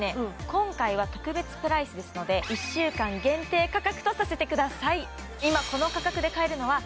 今回は特別プライスですので１週間限定価格とさせてください